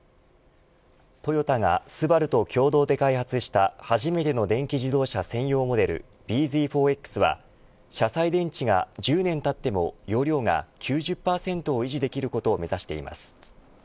トヨタがＳＵＢＡＲＵと共同で開発した初めての電気自動車専用モデルｂＺ４Ｘは車載電池が１０年経っても容量が９０％を維持できることを目指しています。